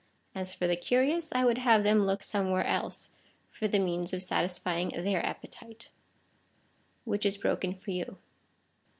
As for the curious, I would have them look some where else for the means of satisfying their appetite. Which is broken for you.